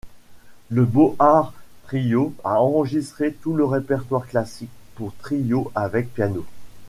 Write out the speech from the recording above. Le Beaux Arts Trio a enregistré tout le répertoire classique pour trio avec piano.